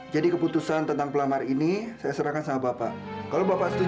jadi keputusan tentang pelamar ini saya sebutkan di ruang meeting sekarang oh iya iya sebentar ya